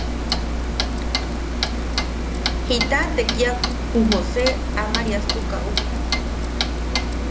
¿Jita tekiamk ju Jose Amariastukaʼu?